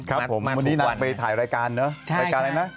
ครับผมวันนี้นางไปถ่ายรายการเนอะรายการอะไรนะ